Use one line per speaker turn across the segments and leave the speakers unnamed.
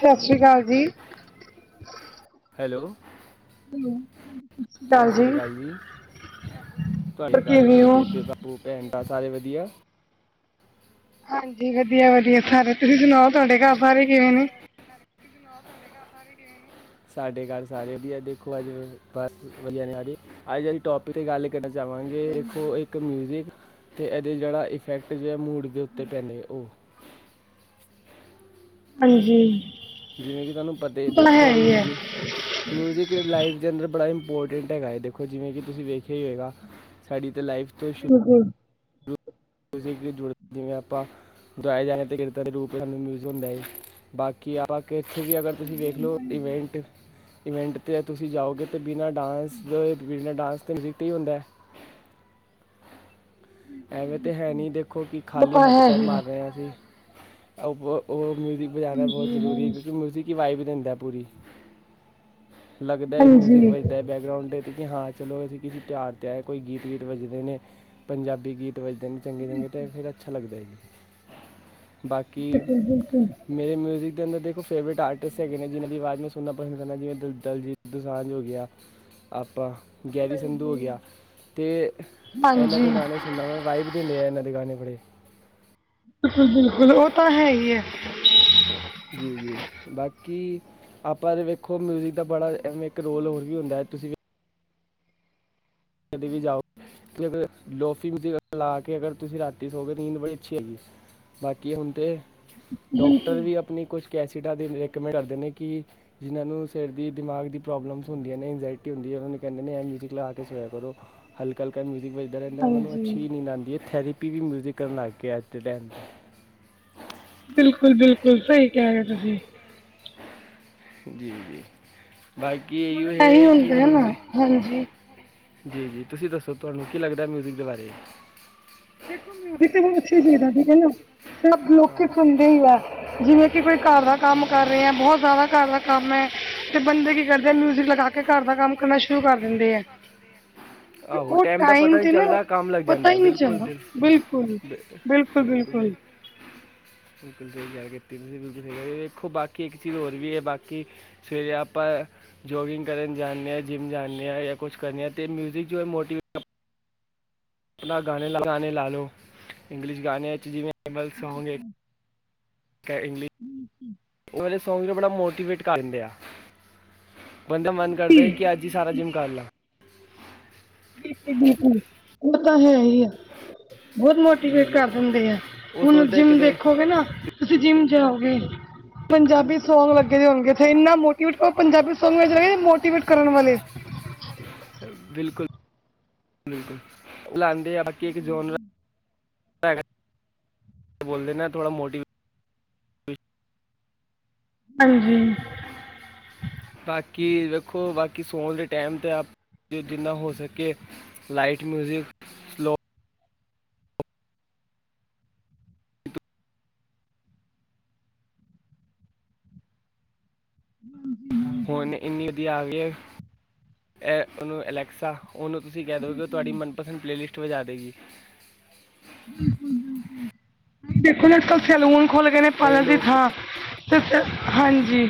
ਸਤ ਸ਼੍ਰੀ ਅਕਾਲ ਜੀ
ਹੈਲੋ ਸਾਸ ਸ੍ਰੀ ਅਕਾਲ ਜੀ, ਤੁਹਾਡੇ
ਹੋਰ ਕਿਵੇਂ
ਘਰ
ਹੋ?
ਬੇਬੇ-ਬਾਪੂ, ਭੈਣ-ਭਰਾ ਸਾਰੇ ਵਧੀਆ।
ਹਾਂਜੀ ਵਧੀਆ ਵਧੀਆ ਸਾਰੇ ਤੁਸੀਂ ਸੁਣਾਓ ਤੁਹਾਡੇ ਘਰ ਸਾਰੇ ਕਿਵੇਂ ਨੇ।
[unintelligible] [unintelligible] ਸਾਡੇ ਘਰ ਸਾਰੇ ਵਧੀਆ, ਦੇਖੋ ਅੱਜ ਬਸ ਵਧੀਆ ਨੇ, ਅ ਜੀ ਅੱਜ ਅਸੀਂ ਟੋਪਿਕ 'ਤੇ ਗੱਲ। ਪਿੰਡ ਜਾਵਾਂਗੇ ਦੇਖੋ। ਇੱਕ ਮਿਊਜਿਕ ਅਤੇ ਇਹਦੇ ਜਿਹੜਾ ਇਫੈਕਟ ਜਿਹੈ ਮੂਡ ਦੇ ਉੱਤੇ ਪੈਂਦੇ ਉਹ।
ਹਾਂਜੀ।
ਜਿਵੇਂ ਕਿ ਤੁਹਾਨੂੰ ਪਤੇ
ਉਹ ਤਾਂ ਹੈ
ਦੇਖੋ
ਹੀ
ਮਿਲ
ਹੈ।
ਜਏ ਮਿਊਜ਼ਿਕ ਲਾਈਫ ਦੇ ਅੰਦਰ ਬੜਾ ਇੰਪੋਰਟੈਂਟ ਹੈਗਾ ਹੈ, ਦੇਖੋ ਜਿਵੇਂ ਕਿ ਤੁਸੀਂ ਵੇਖਿਆ ਹੀ ਹੋਗਾ ਸਾਡੀ ਤੇ ਲਾਈਫ ਤੋਂ।
ਹ [unintelligible]
ਕਿਸੇ [unintelligible] ਜੁੜਦੇ ਜਿਵੇਂ ਆਪਾਂ ਦਵਾਏ ਜਾਣੇ ਅਤੇ [unintelligible] ਦੇ ਰੂਪ ਸਾਨੂੰ ਮਿਊਜ਼ਮ ਹੁੰਦਾ ਜੀ ਬਾਕੀ ਆਪਾਂ ਕਿ ਇੱਥੇ ਵੀ ਅਗਰ ਤੁਸੀਂ ਵੇਖ ਲਓ ਇਵੈਂਟ, ਇਵੈਂਟ 'ਤੇ ਤੁਸੀਂ ਜਾਓਗੇ। ਅਤੇ ਬਿਨਾਂ ਡਾਂਸ ਦੇ, ਬਿਨਾਂ ਡਾਂਸ ਦੇ [unintelligible] 'ਤੇ ਹੀ ਹੁੰਦਾ। ਐਵੇਂ ਤਾਂ ਹੈ ਨਹੀਂ ਦੇਖੋ ਕਿ
ਉਹ
ਖਾਲੀ
ਤਾਂ
ਹੱਥ
ਹੈ
ਪੈਰ
ਹੀ ਹੈ।
ਮਾਰ ਰਹੇ ਹਾਂ ਅਸੀਂ। ਉਹ ਮਿਊਜ਼ਿਕ ਬਜਾਣਾ ਬਹੁਤ ਜ਼ਰੂਰੀ ਹੈ
ਹਾਂਜੀ-ਹਾਂਜੀ।
ਕਿਉਂਕਿ ਮਿਊਜ਼ਿਕ ਦੀ ਵਾਈਬ ਦਿੰਦਾ ਪੂਰੀ। ਲੱਗਦਾ ਹੈ ਮਿਊਜਿਕ
ਹਾਂਜੀ,
ਵੱਜਦਾ। ਬੈਕਗਰਾਊਂਡ ਦੇ ਕਿ ਹਾਂ ਚਲੋ ਅਸੀਂ ਕਿਸ ਤਿਓਹਾਰ ਤੇ ਆਏ, ਕੋਈ ਗੀਤ ਵੀਤ ਵੱਜਦੇ ਨੇ, ਪੰਜਾਬੀ ਗੀਤ। ਵੱਜਦੇ ਨੇ ਚੰਗੇ - ਚੰਗੇ ਤੇ ਫਿਰ ਅੱਛਾ ਲੱਗਦਾ ਈ ਏ ਬਾਕੀ।
ਬਿਲਕੁਲ-ਬਿਲਕੁਲ। ਹਾਂਜੀ,
ਮੇਰੇ ਮਿਊਜ਼ਿਕ ਅੰਦਰ ਦੇਖੋ ਫੇਵਰੇਟ ਆਰਟਿਸਟ ਹੈਗੇ ਨੇ, ਜਿਨ੍ਹਾਂ ਦੀ ਆਵਾਜ਼ ਮੈਂ ਸੁਣਨਾ ਪਸੰਦ ਕਰਦਾ ਜਿਵੇ ਦਲਜੀਤ ਦੁਸਾਂਝ ਹੋ ਗਿਆ ਆ ਟਾ। ਗੈਰੀ ਸੰਧੂ ਹੋ ਗਿਆ,
ਹਾਂਜੀ
ਤੇ ਇਹਨਾਂ ਦੇ ਗਾਣੇ। ਸੁਨਾ ਤਾਂ ਵਾਈਬ ਦਿੰਦੇ ਆ ਇਹਨਾਂ ਦੇ ਗਾਣੇ ਬੜੇ।
ਬਿਲਕੁ ਬਿਲਕੁਲ ਉਹ ਤਾਂ ਹੈ ਈ ਐ।
ਜੀ ਜੀ, ਬਾਕੀ। ਆਪਾਂ ਤਾਂ ਵੇਖੋ ਮਿਊਜ਼ਿਕ ਦਾ ਬੜਾ, ਐਵੇਂ ਇੱਕ ਰੋਲ ਹੋਰ ਵੀ ਹੁੰਦੈ ਤੁਸੀਂ। ਕਦੇ ਵੀ ਜਾਓ। ਮਤਲਬ ਲੋਫੀ ਮਿਉਜ਼ਿਕ ਲਾ ਕੇ ਅਗਰ ਤੁਸੀਂ ਰਾਤੀ ਸੋਗੇ, ਨੀਂਦ ਬੜੀ ਅੱਛੀ ਆਏਗੀ। ਬਾਕੀ ਹੁਣ ਤੇ, ਡਾਕਟਰ ਵੀ ਆਪਣੀ ਕੁਛ ਕੈਸਿਟਾਂ ਦੀ ਰਿਕਮੈਂਡ ਕਰਦੇ ਨੇ ਕਿ। ਜਿਹਨ੍ਹਾਂ ਨੂੰ ਸਿਰ ਦੀ, ਦਿਮਾਗ ਦੀ, ਪ੍ਰੋਬਲਮਸ ਹੁੰਦੀਆਂ ਨੇ ਐਗਜ਼ਾਇਟੀ ਹੁੰਦੀ ਹੈ ਉਹਨਾਂ ਨੂੰ ਕਹਿੰਦੇ ਨੇ ਆਹ ਮਿਊਜ਼ਿਕ ਲਾ ਕੇ ਸੋਇਆ ਉਹ ਹਲਕਾ ਹਲਕਾ ਮਿਊਜ਼ਿਕ ਵਜਦਾ ਰਹਿੰਦਾ ਉਹਨਾਂ ਨੂੰ
ਹਾਂਜੀ।
ਅੱਛੀ ਹੀ ਨੀਦ ਆਉਂਦੀ ਹੈ ਥੈਰੀਪ। ਵੀ ਮਿਊਜ਼ਿਕ ਕਰਨ ਲੱਗ ਗਿਐ ਅੱਜ ਦੇ ਟਾਈਮ ਤੇ
ਬਿਲਕੁਲ ਬਿਲਕੁਲ, ਸਹੀ ਕਹਿ ਰਹੇ ਤੁਸੀਂ
ਜੀ - ਜੀ, ਬਾਕੀ
ਹੁਣ
ਇਓ
ਇਹੀ
ਹੈ ਕਿ
ਹੁੰਦਾ ਨਾ,
ਮਿਊਜ਼
ਹਾਂਜੀ।
ਜੀ - ਜੀ, ਤੁਸੀਂ ਦੱਸੋ ਤੁਹਾਨੂੰ ਕੀ ਲੱਗਦੈ ਮਿਊਜ਼ਿਕ ਦੇ ਬਾਰੇ।
ਦੇਖੋ ਮਿਊਜ਼ਿਕ ਤੇ ਬਹੁਤ ਅੱਛਾ [unintelligible] ਸੀ ਨਾ ਸਭ ਲੋਕ
ਹਾਂ
ਸੁਣਦੇ ਹੀ ਆ। ਜਿਵੇਂ ਕਿ ਕੋਈ ਘਰ ਦਾ ਕੰਮ ਕਰ ਰਿਹੈ, ਬਹੁਤ ਜ਼ਿਆਦਾ ਘਰ ਦਾ ਕੰਮ ਹੈ। ਤੇ ਬੰਦੇ ਕੀ ਕਰਦੇ ਨੇ, ਮਿਊਜਿਕ ਲਗਾ ਕੇ ਘਰ ਦਾ ਕੰਮ ਕਰਨਾ ਸ਼ੁਰੂ ਕਰ ਦਿੰਦੇ ਆ। ਤੇ
ਆਹੋ
ਉਹ
ਦਾ ਪਤਾ
ਟਾਈਮ
ਨਹੀਂ
ਤੇ ਨਾ,
ਚੱਲਦਾ ਕੰਮ ਲੱਗ
ਪਤਾ
ਜਾਂਦਾ ਹੈ,
ਹੀ ਨਹੀਂ
ਬਿਲਕੁਲ
ਚੱਲਦਾ।
ਬਿਲ-
ਬਿਲਕੁਲ,
ਬਿ-
ਬਿਲਕੁਲ - ਬਿਲਕੁਲ।
[inaudible] ਬਿਲਕੁਲ ਸਹੀ ਗਲ ਕੀਤੀ, ਤੂੰ ਬਿਲਕੁਲ ਸਹੀ [unintelligible] ਦੇਖੋ ਬਾਕੀ ਇੱਕ ਚੀਜ਼ ਹੋਰ ਵੀ ਹੈ ਬਾਕੀ। ਸਵੇਰੇ ਆਪਾਂ ਜੋਗਿੰਗ ਕਰਨ ਜਾਂਦੇ ਆ, ਜਿੰਮ ਜਾਂਦੇ ਆ ਯਾ ਕੁਛ ਕਰਨੇ ਆ ਤੇ ਮਿਊਜ਼ਿਕ। ਜੋ ਮੋਟੀ। ਆਪਣਾ ਗਾਣੇ, ਗਾਣੇ ਲਾ ਲਓ, ਇੰਗਲਿਸ਼ ਗਾਣੇ ਵਿੱਚ ਜਿਵੇਂ ਐਮਲ [unintelligible] ਸੌਂਗ ਏ ਕ ਇੰਗਲ਼ੀ
[unintelligible]
ਉਹ ਵਾਲੇ ਸੌਗ ਨੂੰ ਬੜਾ ਮੋਟੀਵੇਟ ਕਰ ਦਿੰਦੇ ਆ, ਬੰਦੇ ਦਾ ਮਨ ਕਰਦਾ
ਜੀ
ਹੈ ਕਿ ਅੱਜ ਕੀ ਸਾਰਾ ਜਿਮ ਕਰ ਲਾ।
ਬਿਲਕੁਲ-ਬਿਲਕੁਲ ਉਹ ਤਾਂ ਹੈ ਹੀ ਆ। ਬਹੁਤ
ਜੀ
ਮੋਟੀਵੇਟ
ਜੀ
ਕਰ ਦਿੰਦੇ ਆ,
ਉਹ
ਹੁਣ
ਸੋਚਦਾ ਹੈ
ਜਿੰਮ
ਕਿਤੇ
ਦੇਖੋਗੇ ਨਾ ਤੁਸੀਂ ਜਿੰਮ ਜਾਓਗੇ ਪੰਜਾਬੀ ਸੌਂਗ ਲੱਗੇ ਦੇ ਹੋਣਗੇ ਇੱਥੇ ਇੰਨਾ ਮੋ [unintelligible] ਪੰਜਾਬੀ ਸੌਂਗ ਵੇ ਜਿਹੜੇ ਨੇ ਮੋਟੀਵੇਟ ਕਰਨ ਵਾਲੇ।
ਬਿਲਕੁਲ-ਬਿਲਕੁਲ ਉਹ ਲਉਂਦੇ ਆ ਬਾਕੀ ਇੱਕ ਜਨ ਹੈਗਾ ਬੋਲਦੇ ਨਾ ਥੋੜ੍ਹਾ ਮੋਟੀਵ
ਹਾਂਜੀ
[unintelligible] ਬਾਕੀ ਦੇੇਖੋ ਬਾਕੀ ਸੌਉਣ ਦੇ ਟੈਮ ਤੇ ਆਪ ਜਿੰਨਾ ਹੋ ਸਕੇ ਲਾਈਟ ਮਿਊਜ਼ਿਕ ਹੁਨ ਇੰਨੀ ਵਧੀਆ ਆ ਗਈ ਹੈ ਉਹਨੂੰ ਅਲੈਕਸਾ। ਉਹਨੂੰ ਤੁਸੀਂ ਕਹਿ ਦੋਗੇ ਉਹ ਤੁਹਾਡੀ ਮਨਪਸੰਦ ਪਲੇਲਿਸਟ ਵਜਾ ਦੇਗੀ।
ਬਿਲਕੁਲ-ਬਿਲਕੁਲ ਹੁਣ ਦੇਖੋ ਅੱਜ ਕੱਲ੍ਹ ਸੈਲੂਨ ਖੁੱਲ ਗਏ ਨੇ
ਕਈ
ਪਾਰਲਰ ਦੀ
ਲੋਕ ਤੇ
ਥਾਂ। ਤੁਸ ਹਾਂਜੀ।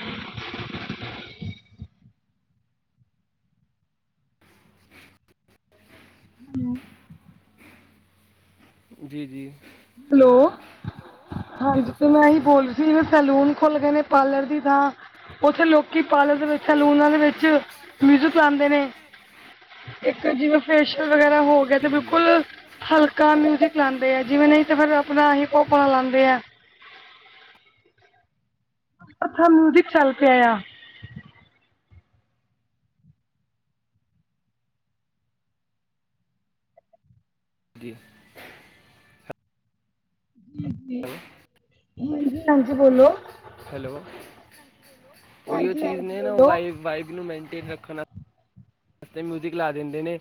[inaudible]
ਹੂੰ
ਜੀ-ਜੀ ਹੈਲੋ ਜੀ
ਹਾਂਜੀ ਤੇ ਮੈਂ ਇਹੀ
ਦੱਸੋ-ਦੱਸੋ।
ਬੋਲ ਰਹੀ ਜਿਵੇਂ ਸੈਲੂਨ ਖੁੱਲ ਗਏ ਨੇ ਪਾਰਲਰ ਦੀ ਥਾ। ਉੱਥੇ ਲੋਕੀ ਪਾਰਲਰ ਦੇ ਵਿੱਚ ਸਲੂਣਾ ਦੇ ਵਿੱਚ ਮਿਊਜ਼ਿਕ ਲਾਂਦੇ ਨੇ। ਜਿਵੇਂ ਫੇਸ਼ੀਅਲ ਵਗੈਰਾ ਹੋ ਗਿਆ ਤੇ
ਜੀ ਜੀ
ਬਿਲਕੁਲ ਹਲਕਾ ਮਿਊਜ਼ਿਕ ਲਾਉਂਦੇ ਆ ਜਿਵੇਂ ਨਹੀਂ ਤੇ ਫਿਰ ਆਪਣਾ ਹਿਪ-ਪੋਪ ਵਾਲਾ ਲਾਉਂਦੇ ਹੈ। ਅੱਖਾ ਮਊਜ਼ਿਕ ਚੱਲ ਪਏ ਆ।
ਜੀ
ਹਾਂਜੀ-ਹਾਂਜੀ ਬੋਲੋ।
ਹੈਲੋ, ਉਹੀ
ਹਾਂਜੀ
ਚੀਜ਼
ਹਾਂਜੀ
ਨੇ ਨਾ
ਬੋਲੋ
ਵਾਈ ਵਾਈਬ ਨੂੰ ਮੇਨਟੇਨ ਰੱਖਣ ਵਸਤੇ ਮਿਊਜ਼ਿਕ ਲਾ ਦਿੰਦੇ ਨੇ।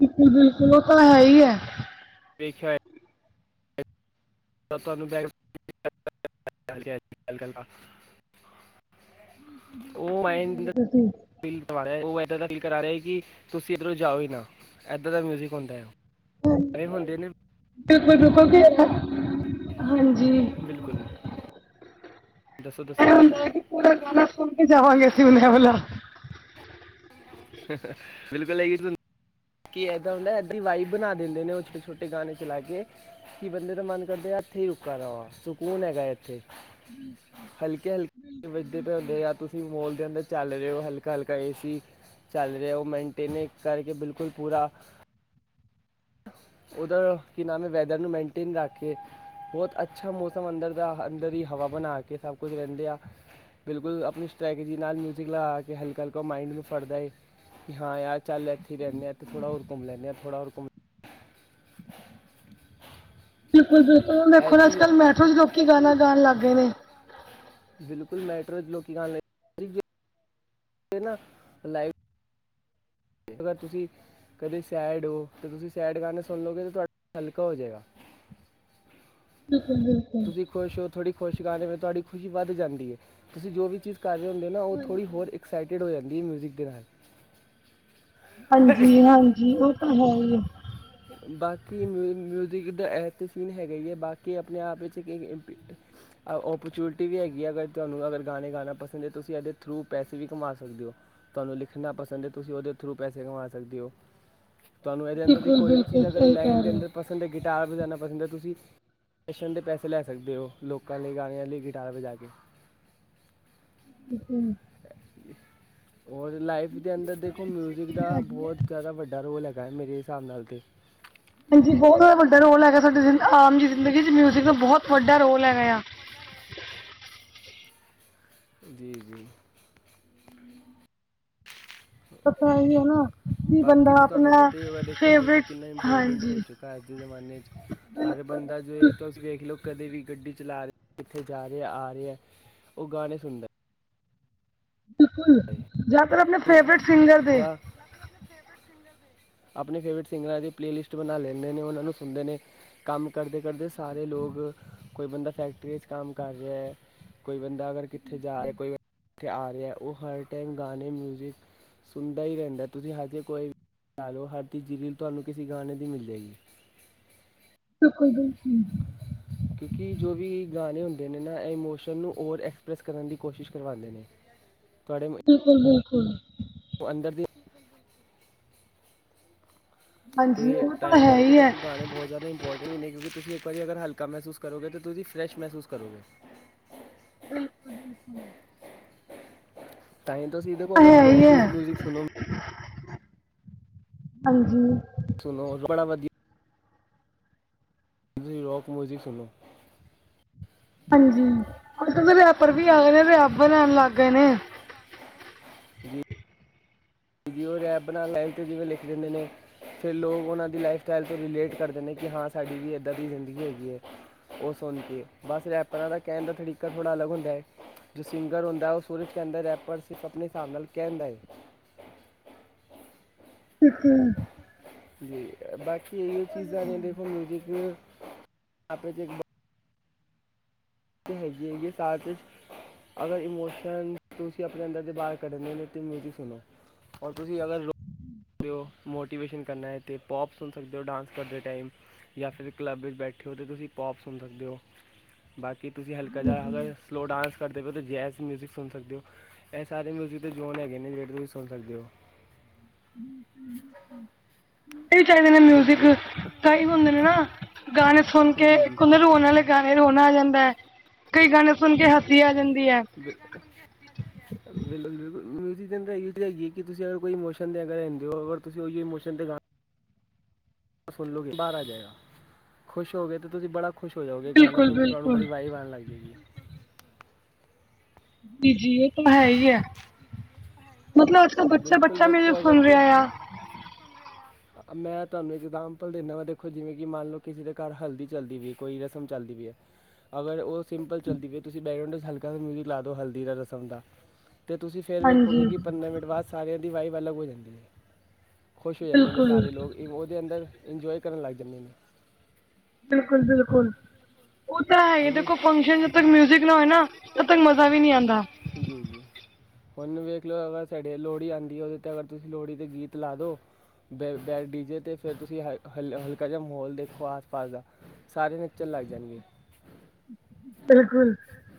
ਬਿਲਕੁਲ-ਬਿਲਕੁਲ ਉਹ ਤਾਂ ਹੈ ਹੀ ਹੈ।
ਦੇਖਿਆ ਹੋਏ ਤੁਹਾਨੂੰ ਬੈ [inaudible] ਉਹ ਮਾਇੰਡ
ਤੁਸੀਂ
ਫੀਲ ਕਰਾ ਰਿਹਾ ਉਹ ਇੱਦਾਂ ਦਾ ਫੀਲ ਕਰ ਰਿਹਾ ਕਿ ਤੁਸੀਂ ਇੱਧਰੋਂ ਜਾਓ ਹੀ ਨਾ ਇੱਦਾਂ ਦਾ ਮਿਊਜਿਕ ਹੁੰਦਾ ਓ। ਇਹ ਹੁੰਦੇ ਨੇ
[unintelligible] ਹਾਂਜੀ।
ਬਿਲਕੁਲ ਦੱਸੋ-ਦੱਸੋ
ਇਹ
ਜੀ।
ਹੁੰਦਾ ਕਿ ਪੂਰਾ ਗਾਨਾ ਸੁਣ ਕੇ ਜਾਵਾਂਗੇ ਅਸੀਂ ਹੁਣ ਇਹ ਵਾਲਾ।
ਬਿਲਕੁਲ ਇਹੋ ਸੁਣ ਕੀ ਇਹਦਾਂ ਹੁੰਦਾ ਐਦੀ ਵਾਈਬ ਬਣਾ ਦਿੰਦੇ ਨੇ ਉਹ ਛੋਟੇ-ਛੋਟੇ ਗਾਣੇ ਚਲਾ ਕੇ। ਕਿ ਬੰਦੇ ਦਾ ਮਨ ਕਰਦਾ ਇਥੇ ਹੀ ਰੁੱਕ ਰਵਾ ਸਕੂਨ ਹੈਗਾ ਇਥੇ। ਹਲਕੇ-ਹਲਕੇ ਵਜਦੇ ਪ ਦੇ ਯ ਤੁੂੰ ਤੁਸੀਂ ਮੋਲ ਦੇ ਅੰਦਰ ਚੱਲ ਰਹੇ ਹੋ ਹਲਕਾ-ਹਲਕਾ ਏ ਸੀ ਚੱਲ ਰਿਹਾ ਉਹ ਮੇਨਟੇਨ ਕਰਕੇ ਬਿਲਕੁਲ ਪੂਰਾ ਉਹਦਾ ਕੀ ਨਾਮ ਹੈ ਵੈਦਰ ਨੂੰ ਮੇਨਟੇਨ ਰੱਖ ਕੇ ਬਹੁਤ ਅੱਛਾ ਮੌਸਮ ਅੰਦਰ ਦਾ ਅੰਦਰ ਹੀ ਹਵਾ ਬਣਾ ਕੇ ਸਭ ਕੁਛ ਰਹਿੰਦੇ ਆ। ਬਿਲਕੁਲ ਆਪਣੀ ਸਟ੍ਰੈਟਜੀ ਨਾਲ ਮਿਊਜ਼ਿਕ ਲਗਾ ਕੇ ਹਲਕਾ- ਹਲਕਾ ਉਹ ਮਾਈੰਡ ਨੂੰ ਫੜਦਾ ਹੈ ਕਿ ਹਾਂ ਯਾਰ ਚੱਲ ਇਥੇ ਹੀ ਰਹਿੰਦੇ ਆ ਥੋੜਾ ਔਰ ਘੁੰਮ ਲੈਂਦੇ ਆ, ਥੋੜਾ ਔਰ ਘੁੰਮ
ਬਿਲਕੁਲ- ਬਿਲਕੁਲ
ਇਹ
ਦੇਖੋ ਨਾ, ਅੱਜ ਕੱਲ
ਚੀਜ਼
ਮੈਟਰੋ ਚ' ਲੋਕੀ ਗਾਣਾ ਗਾਉਣ ਲੱਗ ਗਏ ਨੇ।
ਬਿਲਕੁਲ ਮੈਟਰੋ ਚ' ਲੋਕੀ ਕਣ ਲਈ, ਨਾ ਲਾਈਵ ਅਗਰ ਤੁਸੀਂ ਕਦੇ ਸੈਡ ਹੋ। ਤਾਂ ਤੁਸੀਂ ਸੈਡ ਗਾਣੇ ਸੁਣ ਲਓਗੇ। ਤਾਂ ਤੁਹਾਡਾ ਦਿਲ ਹਲਕਾ ਹੋ ਜਾਏਗਾ।
ਬਿਲਕੁਲ- ਬਿਲਕੁਲ।
ਤੁਸੀਂ ਖੁਸ਼ ਹੋ ਥੋੜ੍ਹੀ ਖੁਸ਼ ਗਾਣੇ ਵਿੱਚ ਤੁਹਾਡੀ ਖੁਸ਼ੀ ਵੱਧ ਜਾਂਦੀ ਹੈ। ਤੁਸੀਂ ਜੋ ਵੀ ਚੀਜ਼ ਘ ਜੇ ਹੁੰਦੇ ਨਾ ਉਹ ਥੋੜ੍ਹੀ ਹੋਰ ਐਕਸਾਈਟਿਡ ਹੋ ਜਾਂਦੀ ਹੈ ਮਿਊਜ਼ਿਕ ਦੇ ਨਾਲ।
ਹਾਂਜੀ- ਹਾਂਜੀ। ਉਹ ਤਾਂ ਹੈ ਹੀ ਆ।
ਬਾਕੀ ਮਿਊ ਮਿਊਜ਼ਿਕ ਦਾ ਐ ਸੀਨ ਹੈਗਾ ਹੀ ਹੈ, ਬਾਕੀ ਆਪਣੇ ਆਪ ਵਿੱਚ ਇੱਕ ਓਪਰਚੁਨਿਟੀ ਵੀ ਹੈਗੀ ਹੈ ਅਗਰ ਤੁਹਾਨੂੰ ਅਗਰ ਗਾਣੇ ਗਾਣਾ ਪਸੰਦ ਹੈ ਤੁਸੀਂ ਇਹਦੇ ਥਰੂ ਪੈਸੇ ਵੀ ਕਮਾ ਸਕਦੇ ਹੋ। ਲਿਖਣਾ ਪਸੰਦ ਹੈ ਤੁਸੀਂ ਉਹਦੇ ਥਰੂ ਪੈਸੇ ਕਮਾ ਸਕਦੇ ਹੋ। ਤੁਹਾਨੂੰ ਇਹਦੇ ਅੰਦਰ ਦੀ
ਬਿਲਕੁਲ-
ਕੋਈ ਵੀ ਚੀਜ਼
ਬਿਲਕੁਲ
ਅਗਰ
ਠੀਕ ਐ।
ਲਾਈਨ ਦੇ ਅੰਦਰ ਪਸੰਦ ਹੈ ਗਿਟਾਰ ਵੀਜ਼ਾਨਣਾ ਪਸੰਦ ਹੈ ਤੁਸੀਂ ਸਟੇਸ਼ਨ ਦੇ ਪੈਸੇ ਲੈ ਸਕਦੇ ਹੋ, ਲੋਕਾਂ ਲਈ ਗਾਣਿਆਂ ਲਈ ਗਿਟਾਰ ਵਜਾ ਕੇ, [inaudible]
ਹੂ-
[unintelligible] ਔਰ ਲਾਈਫ ਦੇ ਅੰਦਰ ਦੇਖੋ ਮਿਊਜ਼ਿਕ ਦਾ ਬਹੁਤ ਜ਼ਿਆਦਾ ਵੱਡਾ ਰੋਲ ਹੈਗਾ ਹੈ ਮੇਰੇ ਹਿਸਾਬ ਨਾਲ। ਅਤੇ
ਹਾਂਜੀ। ਬਹੁਤ ਜ਼ਦਾ ਵੱਡਾ ਰੋਲ ਹੈਗਾ ਸਾਡੀ ਆਮ ਜੀ ਜ਼ਿੰਦਗੀ ਚ' ਮਿਊਜ਼ਿਕ ਦਾ ਬਹੁਤ ਵੱਡਾ ਰੋਲ ਹੈਗਾ ਆ।
ਵੱਡਾ ਰੋਲ ਜੀ- ਜੀ।
ਪਤਾ ਹੀ ਹੈ ਨਾ ਕਿ ਬੰਦਾ
ਬਾਕੀ ਤਾਂ ਤੁਹਾਨੂੰ
ਆਪਣਾ
ਪਤਾ ਹੀ ਹੋਗਾ ਦੇਖੋ ਮਿਊਜ਼ਿਕ
ਫੇਵਰਿਟ
ਕਿੰਨਾ ਇੰਪੋਰਟੈਂਟ ਹੋ
ਹਾਂਜੀ
ਚੁੱਕਾ। ਅਜ ਦੇ ਜ਼ਮਾਨੇ 'ਚ। ਹਰ ਬੰਦਾ ਜੋ ਤੁਸੀਂ ਵੇਖ ਲਓ ਕਦੇ ਵੀ ਗੱਡੀ ਚਲਾ ਰਿਹਾ, ਇੱਥੇ ਜਾ ਰਿਹਾ ਆ ਰਿਹਾ। ਉਹ ਗਾਣੇ ਸੁਣਦਾ।
ਬਿਲਕੁਲ।
ਹੈ
ਜਿਆਤਰ ਆਪਣੇ ਫੇਵਰੇਟ ਸਿੰਗਰ ਦੇੇ।
ਜਾਂ ਫਿਰ ਆਪਣੇ ਫੇਵਰੇਟ ਸਿੰ ਆਪਣੇ ਫੇਵਰੇਟ ਸਿੰਗਰਾਂ ਦੀ ਪਲੇਅਲਿਸਟ ਬਣਾ ਲੈਂਦੇ ਨੇ, ਉਹਨਾਂ ਨੂੰ ਸੁਣਦੇ ਨੇ। ਕੰਮ ਕਰਦੇ ਕਰਦੇ ਸਾਰੇ ਲੋਕ, ਕੋਈ ਬੰਦਾ ਫੈਕਟਰੀ 'ਚ ਕੰਮ ਕਰ ਰਿਹਾ ਐ। ਕੋਈ ਬੰਦਾ ਅਗਰ ਕਿੱਥੇ ਜਾ ਰਿਹਾ, ਕੋਈ ਕਿੱਥੇ ਆ ਰਿਹਾ, ਉਹ ਹਰ ਟਾਈਮ ਗਾਣੇ ਮਿਊਜ਼ਿਕ ਸੁਣਦਾ ਹੀ ਰਹਿੰਦਾ। ਤੁਸੀਂ ਹਰ ਜੇ ਕੋਈ ਵੀ ਗਾ ਲਓ ਹਰ ਚੀਜ਼ ਦੀ ਰੀਲ ਤੁਹਾਨੂੰ ਕਿਸੇ ਗਾਣੇ ਦੀ ਮਿਲ ਜਾਏਗੀ।
ਬਿਲਕੁਲ- ਬਿਲਕੁਲ।
ਕਿਉਂਕਿ ਜੋ ਵੀ ਗਾਣੇ ਹੁੰਦੇ ਨੇ ਨਾ ਇਹ ਇਮੋਸ਼ਨ ਨੂੰ ਓਰ ਐਕਸਪ੍ਰੈਸ ਕਰਨ ਦੀ ਕੋਸ਼ਿਸ਼ ਕਰਵਾਉਂਦੇ ਨੇ। ਤੁਹਾਡੇਮੈ
ਬਿਲਕੁਲ -ਬਿਲਕੁਲ।
ਉਹ ਅੰਦਰ ਦੀ ਤੇ
ਹਾਂਜੀ ਉਹ ਤਾਂ
ਤਾਂਈ
ਹੈ
ਕਰਕੇ
ਹੀ ਹੈ
ਦੇਖੋ, ਗਾਣੇ ਬਹੁਤ ਜ਼ਿਆਦਾ ਇ ਇੋਰਟਿ ਵੀ ਨਹੀਂ ਕਿਉਂਕਿ ਤੁਸੀਂ ਇੱਕ ਵ ਅਗਰ ਹਲਕਾ ਮਹਿਸੂਸ ਕਰੋਗੇ ਤਾਂਸੀਂ ਫਰੈਸ਼ ਮਹਿਸੂਸ ਕਰੋਗੇ।
ਬਿਲਕੁਲ -ਬਿਲਕੁਲ।
ਤਾਂਈ ਤਾਂ ਸ ਦੇਖੋ ਅਗ
ਹੈ ਹੀ ਹੈ
ਲੋਫੀਜ਼ ਮਿਊਜ਼ਿਕ ਸੁਣੋ
ਹਾਂਜੀ।
ਸੁਣੋ ਬੜਾ ਵਧੀਆ। ਰੋਕ ਮਊਜ਼ਿਕ ਸੁੱਣੇ।
ਹਾਂਜੀ। ਰਿਆਪਰ ਵੀ ਆ
ਜੀ
ਗਏ ਨੇ, ਰਿਆਬਰ ਲੈਣ ਲੱਗ ਗਏ ਨੇ।
ਜਓ ਰਪੇ ਬਣਾ ਲਾਈਨ ਤੇ ਜਿਵੇਂ ਲਿਖ ਦਿੰਦੇ ਨੇ। ਫਿਰ ਲੋਕ ਉਹਨਾਂ ਦੀ ਲਾਈਫ ਸਟਾਈਲ ' ਰਿਲੇਟ ਕਰਦੇ ਨੇ ਕਿ ਹਾਂ ਸਾਡੀ ਵੀ ਇੱਦਾਂ ਦੀ ਜ਼ਿੰਦਗੀ ਹੈਗੀ ਹੈ। ਉਹ ਸੁਣ ਕੇ ਬਸ ਰੈਪਰਾਂ ਦਾ ਕਹਿਣ ਦਾ ਤਰੀਕਾ ਥੋੜ੍ਹਾ ਅਲੱਗ ਹੁੰਦਾ ਹੈ। ਜੋ ਸਿੰਗਰ ਹੁੰਦਾ ਉਹ ਸੂਰਜ ਕਹਿੰਦਾ ਰਹਿ ਪਰ ਸਿਰ ਆਪਣੇ ਹਿਸਾਬ ਨਾਲ ਕਹਿਣਦਾ ਹੈ। ਅ [unintelligible]
ਠਕ [inaudible]
ਬਾਕੀ ਇਹ ਚੀਜ਼ਾਂ ਨੇ ਦੇਖੋ ਮਿਜਿਕ ਆਪੇ। ਇਹ ਹੈਗੀ, ਹੈਗੀ ਏ। ਸਾਥ ਵਿਚ ਅਗਰ ਇਮੋਸ਼ਨ ਤੁਸੀਂ ਆਪਣੇ, ਅੰਦਰ ਦੇ ਬਾਹਰ ਕੱਢਦੇ ਨੇ ਤਾਂ, ਮਿਊਜ਼ਿਕ ਸੁਣੋ। ਔਰ ਤੁਸੀਂ ਅਗਰ- ਮੋਟੀਵੇਸ਼ਨ ਕਰਨਾ ਹੈ ਤੇ, ਪੋਪ ਸੁਣ ਸਕਦੇ ਹੋ ਡਾਂਸ ਕਰਦੇ ਟਾਈਮ। ਜਾਂ ਫੇਰ ਕਲੱਬ ਵਿੱਚ ਬੈਠੇ ਹੋ ਤਾਂ, ਤੁਸੀਂ ਪੋਪ ਸੁਣ ਸਕਦੇ ਹੋ। ਕਿ ਤੁਸੀਂ ਹਲਕਾ ਜਿਹਾ, ਅਗਰ ਸਲੋ ਡਾਂਸ ਕਰਦੇ ਪਏ ਤਾਂ ਜੈਜ਼ ਮਿਊਜ਼ਿਕ ਸੁਣ ਸਕਦੇ ਹੋ। ਇਹ ਸਾਰੇ ਮਿਊਜ਼ਿਕ ਜੋਨ ਹੈਗੇ ਨੇ, ਜਿਹੜੇ ਤੁਸੀਂ ਸੁਣ ਸਕਦੇ ਹੋ।
ਵੀ ਚਾਹੀਦੇ ਨੇ ਮਿਊਜਿਕ,
ਬਿਲਕੁਲ
ਕਈ ਹੁੰਦੇ ਨੇ ਨਾ, ਗਾਣੇ ਸੁਣ ਕੇ
ਜੀ ਜੀ
ਇਕ ਹੋਣ ਦੇ ਰੋਣ ਵਾਲੇ। ਗਾਣੇ ਰੋਣਾ ਆ ਜਾਂਦਾ ਹੈ, ਕਈ ਗਾਣੇ ਸੁਣ ਕੇ ਹਸੀ ਆ ਜਾਂਦੀ ਹੈ।
ਬਿਲੁ [unintelligible] ਬਿਲਕੁ ਬਿਲੁਲਿਜ਼ ਹੈ ਹੈ ਕਿ ਤੁਸੀਂ ਅਗ ਕੋਈ ਇਮੋਸ਼ਨ ਦੇਗ ਰਿੰਦੇ ਹੋਰ, ਤੁਸੀਂ ਉਹੀ ਇਮੋਸ਼ਨਦੇ ਨਾਲ, ਸੁਨ ਲੋਗੇ ਬਾਹਰ ਆ ਜਾਏਗਾ, ਖੁਸ਼ ਹੋ ਗੇਏ ਤੇ ਤੁਸੀਂ ਬੜਾ [inaudible] ਖੁਸ਼ ਹੋ ਜਾਓਗੇ, ਗਾਣਾ
ਬਿਲਕੁਲ
ਸੁਣ ਕੇ ਤੁਹਾਨੂੰ
ਬਿਲਕੁਲ
ਬੜੀ ਵਾਹਿਵ ਆਨ ਲੱਗ ਜਾਏਗੀ।
ਜੀ- ਜੀ ਇਹ ਤਾਂ ਹੈ ਹੀ ਹੈ। ਮਤਲਬ ਅੱਜ ਕਲ ਬੱਚਾ-
ਬਿਲਕੁਲ
ਬੱਚਾ ਮੇਨ
ਦੇਖੋ ਅਗਰ
ਸੁਣ
ਤੁ-
ਰਿਹਾ ਆ।
ਮੈਂ ਤੁਹਾਨੂੰ ਇਗਜ਼ਾਮਪਲ ਦਿੰਦਾ ਵਾਂ, ਦੇਖੋ ਜਿਵੇਂ ਕਿ ਮੰਨ ਲਓ ਕਿਸੇ ਦੇ ਘਰ ਹਲਦੀ ਚੱਲਦੀ ਵੀ ਹੈ, ਕੋਈ ਰਸਮ ਚੱਲਦੀ ਵੀ ਹੈ। ਅਗਰ ਉਹ ਸਿੰਪਲ ਚੱਲਦੀ ਪਣੀ ਵੇ ਤੁਸੀਂ ਬੈਕਗਰਾਊਂਡ ਵਿੱਚ ਹਲਕਾ ਮਿਊਜ਼ਿਕ ਲਾ ਦਿਉ ਹਲਦੀ ਦਾ ਰਸਮ ਦਾ। ਤੇ ਤੁਸੀਂ ਫੇਰ ਵੇਖੋ
ਹਾਂਜੀ
ਕਿ, ਪੰਦਰਾਂ ਮਿੰਟ ਬਾਅਦ ਸਾਰਿਆਂ ਦੀ ਵਾਈਬ ਅਲੱਗ ਹੋ ਜਾਂਦੀ ਹੈ। ਖੁਸ਼ ਹੋ ਜਾਂਦੇ ਨੇ।
ਬਿਲਕੁਲ
ਸਾਰੇ ਲੋਕ ਇਹ ਹੋਰ ਜਿਆਦਾ ਅੰਦਰਇੰਜੋਏ ਕਰਨ ਲੱਗ ਜਾਂਦੇ ਨੇ।
ਬਿਲਕੁਲ- ਬਿਲਕੁਲ। ਉਹ ਤਾਂ ਹੈ ਹੀ।
ਆਈਓ
ਦੇਖੋ ਫੰਕਸ਼ਨ ਜਦ ਤੱਕ ਮਿਊਜਿਕ ਨਾ ਹੋਏ ਨਾ‌ ਜਦੋਂ ਤੱਕ ਮਜ਼ਾ ਵੀ ਨਹੀਂ ਆਉਂਦਾ।
ਜੀ- ਜੀ। ਉਹੁਨੂੰ ਵੇਖ ਲਓ, ਅਗੇ ਸਾਡੇ ਲੋਹੜੀ ਆਉਂਦੀ ਹੈ ਉਹਦੇ ਤੇ, ਅਗਰ ਤੁਸੀਂ ਲੋਹੜੀ ਦੇ ਗੀਤ ਲਾ ਦੋ। ਬ ਬੈਠ ਡੀਜੇ ਤੇ ਫੇਰ ਤੁਸੀਂ ਹ ਹਲ ਹਲਕਾ ਜਿਹਾ ਮਾਹੌਲ ਦੇਖੋ ਆਸ- ਪਾਸ ਦਾ। ਸਾਰੇ ਨੱਚਣ ਲੱਗ ਜਾਣਗੇ।
ਬਿਲਕੁਲ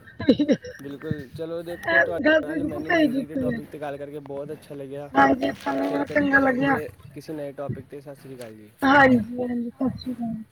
[unintelligible]
ਬਿਲਕੁਲ ਚਲੋ ਦੇਖੋ
ਗੱਲ ਤਾਂ
ਤੁਹਾਡੇ ਨਾਲ
ਬਿਲਕੁਲ
ਮੈਨੂੰ
ਸਹੀ
ਮਿਊਜ਼ਿਕ ਦੇ
ਕੀਤੀ ਹੈ
ਟੋਪਿਕ ਤੇ ਗੱਲ ਕਰਕੇ ਬਹੁਤ। ਅੱਛਾ ਲੱਗਿਆ।
ਹਾਂਜੀ ਸਾਨੂੰ
ਫੇਰ
ਬੜਾ
ਕਦੀ
ਚੰਗਾ ਲੱਗਿਆ
ਕਰਾਂਗੇ ਕਿਸੇ ਨਏ ਟੋਪਿਕ ਤੇ ਸਤਿ ਸ਼੍ਰੀ ਅਕਾਲ ਜੀ।
ਹਾਂਜੀ ਹਾਂਜੀ ਸਤਿ ਸ਼੍ਰੀ ਅਕਾਲ।